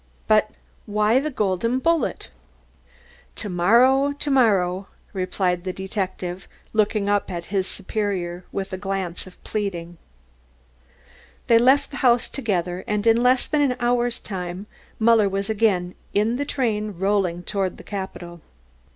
"But why the golden bullet?" "To morrow, to morrow," replied the detective, looking up at his superior with a glance of pleading. They left the house together and in less than an hour's time Muller was again in the train rolling towards the capital.